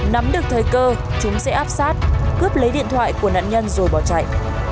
nắm được thời cơ chúng sẽ áp sát cướp lấy điện thoại của nạn nhân rồi bỏ chạy